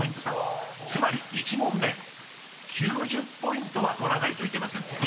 ［つまり１問目９０ポイントは取らないといけません］